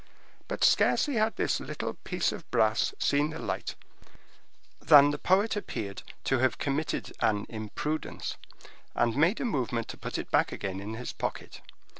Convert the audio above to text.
But scarcely had this little piece of brass seen the light, than the poet appeared to have committed an imprudence, and made a movement to put it back again in his pocket.